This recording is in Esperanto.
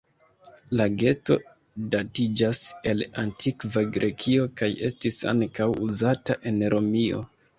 La gesto datiĝas el Antikva Grekio kaj estis ankaŭ uzata en Romio.